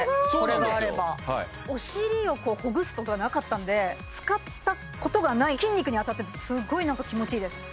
はいお尻をほぐすことがなかったんで使ったことがない筋肉に当たってすごいなんか気持ちいいです